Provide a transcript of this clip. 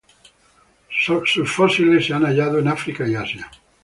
Sus fósiles se han hallado en África y Asia.